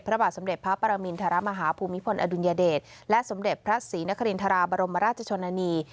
พระบาทสมเด็จพระปรมินทรมาฮาภูมิพลอดุลยเดชและสมเด็จพระศรีนครินทราบรมราชชนนานี